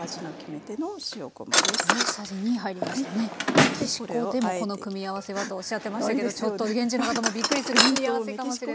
メキシコでもこの組み合わせはとおっしゃってましたけどちょっと現地の方もびっくりする組み合わせかもしれない。